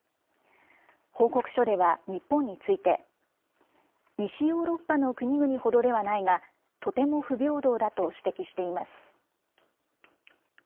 報告書では、日本について、西ヨーロッパの国々ほどではないが、とても不平等だと指摘しています。